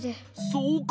そうか！